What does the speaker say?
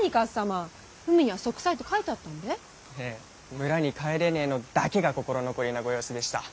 村に帰れねぇのだけが心残りなご様子でした。